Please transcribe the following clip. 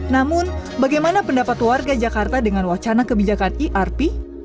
namun bagaimana pendapat warga jakarta dengan wacana kebijakan irp